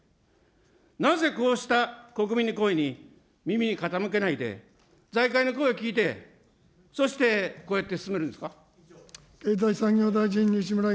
なぜ、こうした国民の声に耳傾けないで、財界の声聞いて、そしてこうやって進めるんですか。